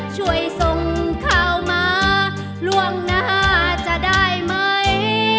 ช่วยส่งข่าวมาล่วงหน้าจะได้ไหม